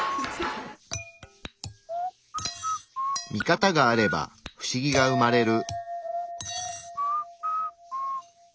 見方があれば不思議が生まれる。